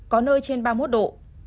có nơi trên ba mươi một độ